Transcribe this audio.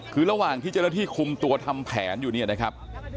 คือระหว่างที่เจ้าหน้าที่คุมตัวทำแผนอยู่เนี่ยนะครับ